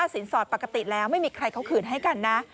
สินสอดปกติแล้วไม่มีใครเขาคืนให้กันนะ